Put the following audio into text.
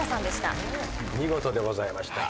見事でございました。